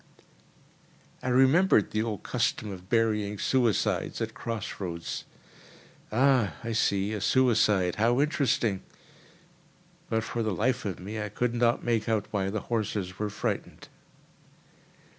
I remembered the old custom of burying suicides at cross roads: "Ah! I see, a suicide. How interesting!" But for the life of me I could not make out why the horses were frightened.